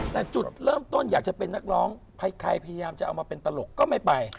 แต่จุดเริ่มต้นอยากจะเป็นนักร้องใครพยายามจะเอามาเป็นตลกก็ไม่ไป